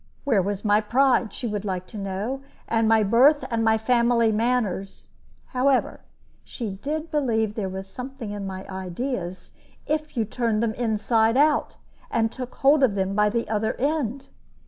Where was my pride, she would like to know, and my birth, and my family manners? However, she did believe there was something in my ideas, if you turned them inside out, and took hold of them by the other end.